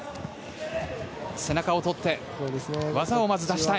背中を取って技をまず出したい。